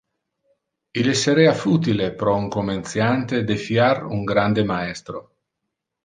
Il esserea futile pro un comenciante defiar un grande-maestro.